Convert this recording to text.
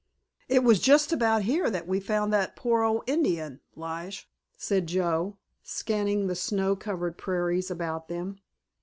"It was just about here that we found that poor old Indian, Lige," said Joe, scanning the snow covered prairies about them.